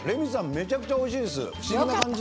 めちゃくちゃうまいです。